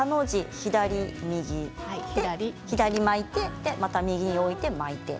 左右で左巻いてまた右において巻いていく。